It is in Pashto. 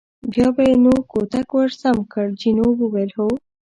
بیا به یې نو کوتک ور سم کړ، جینو وویل: هو.